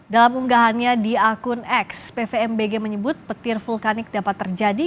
dalam unggahannya di akun x pvmbg menyebut petir vulkanik dapat terjadi